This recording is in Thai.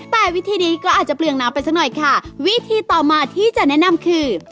แต่วิธีนี้ก็อาจจะเปลืองน้ำไปสักหน่อยค่ะวิธีต่อมาที่จะแนะนำคือ